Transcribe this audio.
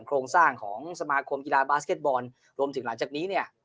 โครงสร้างของสมาคมกีฬาบาสเก็ตบอลรวมถึงหลังจากนี้เนี่ย